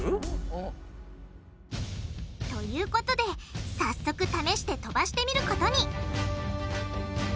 うん。ということで早速試して飛ばしてみることに！